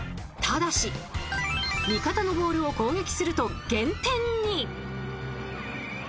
ただし、味方のボールを攻撃すると減点に。